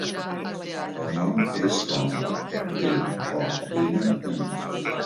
El nom és Toni: te, o, ena, i.